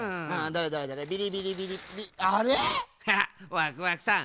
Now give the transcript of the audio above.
ワクワクさん